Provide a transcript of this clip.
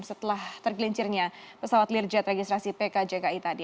setelah tergelincirnya pesawat learjet registrasi pkjki tadi